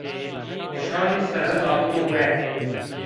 Şarî sere darito we